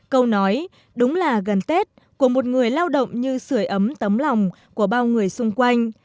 câu nói đúng là gần tết của một người lao động như sửa ấm tấm lòng của bao người xung quanh